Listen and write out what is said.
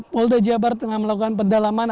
poldo jabar tengah melakukan pedalaman